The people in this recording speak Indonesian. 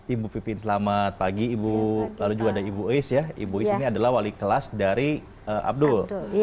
ibu pipin selamat pagi ibu lalu juga ada ibu is ya ibu is ini adalah wali kelas dari abdul